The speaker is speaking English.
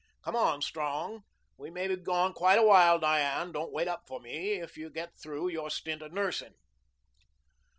Come on, Strong. We may be gone quite a while, Diane. Don't wait up for me if you get through your stint of nursing."